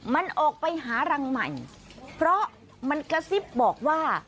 มันออกไปหารังใหม่เพราะมันกระซิบบอกว่า